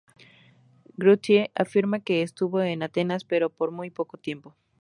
Guthrie afirma que estuvo en Atenas pero por muy poco tiempo.